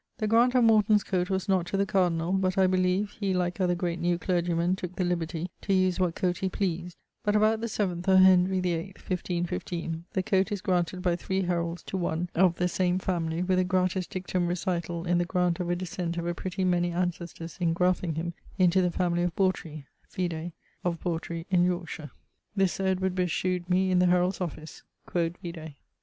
9 July 1681: 'The grant of Morton's coate was not to the cardinal, but I beleeve he like other great new clergie men tooke the libertie to use what coate he pleased; but about the 7th of Henry VIII <1515>, the coate is granted by three heralds to one of the same family with a gratis dictum recital in the grant of a descent of a pretty many auncestors ingraffing him into the family of Bawtry (vide of Bawtry) in Yorkshire. This Sir Edward Bysh shewed me in the Heralds' Office.' Quod vide.